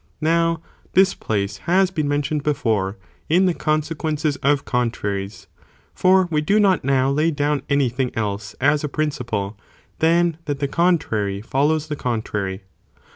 Now this place ne has been mentioned before,t in the consequences + Vide ch. 8. of contraries, for we do not now lay down any thing else, as a principle, than. that the contrary follows the contrary.